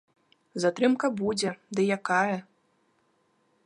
Затрымка будзе, ды якая.